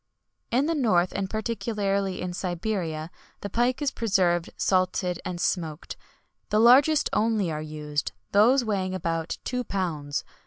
"In the north, and particularly in Siberia, the pike is preserved salted and smoked; the largest only are used, those weighing about two pounds.